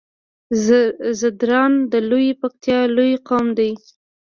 ځدراڼ د لويې پکتيا لوی قوم دی